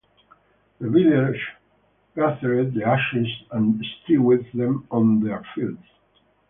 The villagers gathered the ashes and strewed them on their fields.